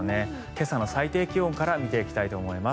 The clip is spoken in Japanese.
今朝の最低気温から見ていきたいと思います。